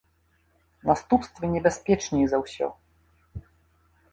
Наступствы небяспечней за ўсё.